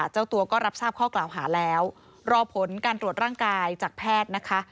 เจ้าตัวก็รับทราบข้อกล่าวหาแล้วรอผลการตรวจร่างกายจากแพทย์นะคะ